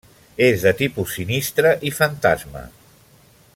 És de tipus sinistre i fantasma.